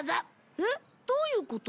えっどういうこと？